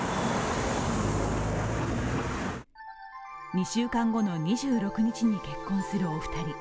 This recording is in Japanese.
２週間後の２６日に結婚するお二人。